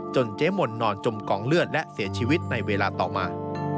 เจ๊มนนอนจมกองเลือดและเสียชีวิตในเวลาต่อมา